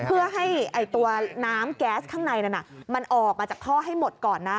เพื่อให้ตัวน้ำแก๊สข้างในนั้นมันออกมาจากท่อให้หมดก่อนนะ